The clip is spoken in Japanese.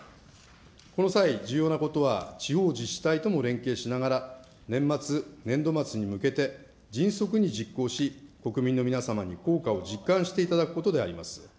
この際、重要なことは地方自治体とも連携しながら、年末、年度末に向けて、迅速に実行し、国民の皆様に効果を実感していただくことであります。